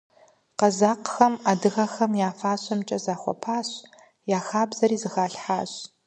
Къэзакъхэм адыгэхэм я фащэмкӀэ захуэпащ, я хабзэхэри зыхалъхьащ.